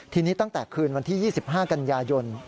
ทีนี้ตั้งแต่คืนวันที่๒๕กันยายน